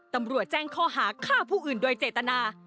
ตำรวจแจ้งข้อหาฆ่าผู้อื่นโดยเจตนา